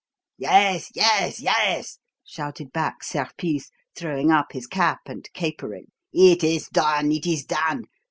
"Yes, yes, yes!" shouted back Serpice, throwing up his cap and capering. "It is done! It is done!